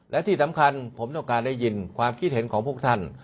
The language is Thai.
และที่สำคัญผมต้องการได้ยินความคิดเห็นของพวกท่าน